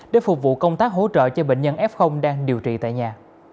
để phục vụ công tác hỗ trợ cho bệnh nhân f đang điều trị tại nhà